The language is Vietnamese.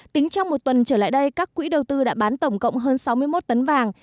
tính trong một tuần trở lại đây các quỹ đầu tư đã bán tổng cộng hơn sáu mươi một tấn vàng